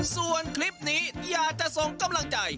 ส่วนคลิปนี้อยากจะส่งกำลังใจ